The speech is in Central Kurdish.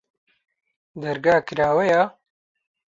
دەرگا کراوەیە؟